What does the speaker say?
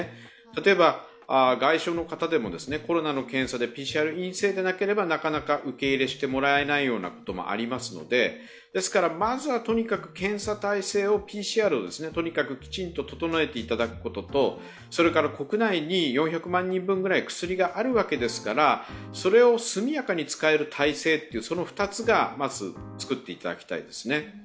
例えば外傷の方でもコロナの検査でＰＣＲ陰性でないとなかなか受け入れてくれないというところもありますのでまずはとにかく検査体制、ＰＣＲをきちんと整えていただくことと、国内に４００万人分くらい薬があるわけですから、それを速やかに使える体制、その２つをまず、作っていただきたいですね。